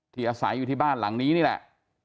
อาศัยอยู่ที่บ้านหลังนี้นี่แหละ